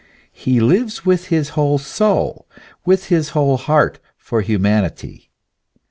He lives with his whole soul, with his whole heart, for humanity.